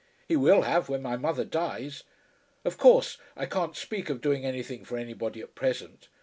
"He will have, when my mother dies. Of course I can't speak of doing anything for anybody at present.